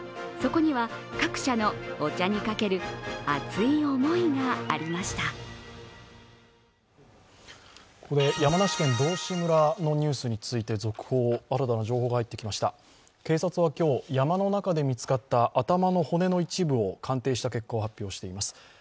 ここで山梨県道志村のニュースについて続報、新たな情報が入ってきました警察は今日、山の中で見つかった頭の骨の一部を鑑定した結果を発表しています。